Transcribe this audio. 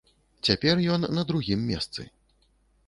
Цяпер ён на другім месцы.